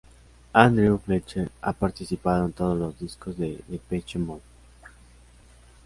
Andrew Fletcher ha participado en todos los discos de Depeche Mode.